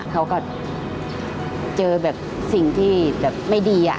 เขาก็เจอแบบสิ่งที่แบบไม่ดี